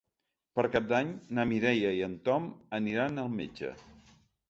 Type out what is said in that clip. Per Cap d'Any na Mireia i en Tom aniran al metge.